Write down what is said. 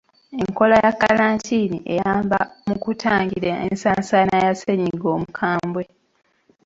Enkola ya kkalantiini eyamba mu kutangira ensaasaana ya ssennyiga omukambwe.